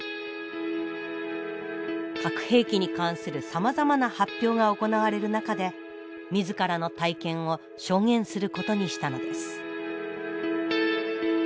核兵器に関するさまざまな発表が行われる中で自らの体験を証言することにしたのです。